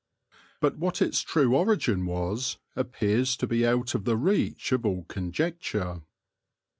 But what its true origin was appears to be out of the reach of all conjecture.